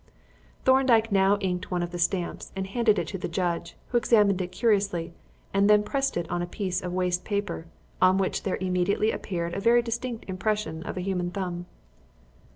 Thorndyke now inked one of the stamps and handed it to the judge, who examined it curiously and then pressed it on a piece of waste paper, on which there immediately appeared a very distinct impression of a human thumb.